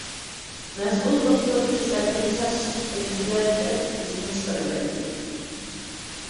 مەسئۇل دوختۇر، كېسەلنى چارچىتىپ قويىسىلەر دەپ، بىزنى چىقىرىۋەتتى.